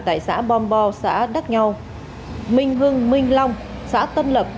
tại xã bombo xã đắc nhau minh hưng minh long xã tân lập